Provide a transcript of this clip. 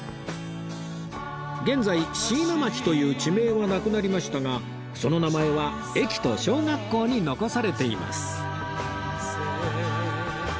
現在椎名町という地名はなくなりましたがその名前は駅と小学校に残されています